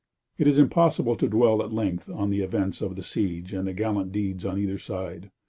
It is impossible to dwell at length on the events of the siege and the gallant deeds on either side.